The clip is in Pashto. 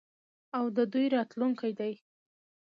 او د دوی راتلونکی دی.